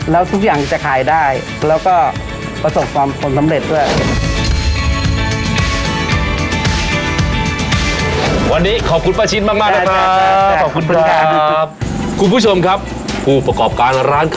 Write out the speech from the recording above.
แล้วทุกอย่างจะขายได้แล้วก็ประสบความส